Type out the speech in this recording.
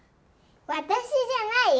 私じゃないよ。